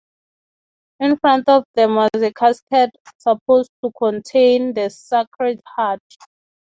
In front of them was a casket supposed to contain the sacred heart.